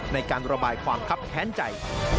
ในการระบายความคับแค้นใจ